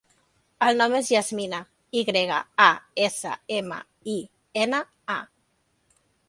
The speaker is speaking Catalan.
El nom és Yasmina: i grega, a, essa, ema, i, ena, a.